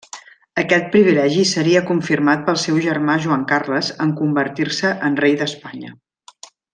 Aquest privilegi seria confirmat pel seu germà Joan Carles en convertir-se en rei d'Espanya.